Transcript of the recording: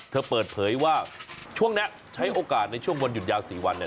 เปิดเผยว่าช่วงนี้ใช้โอกาสในช่วงวันหยุดยาว๔วันเนี่ย